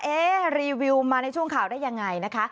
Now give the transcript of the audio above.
รีวิวมาในช่วงข่าวได้ยังไงนะคะ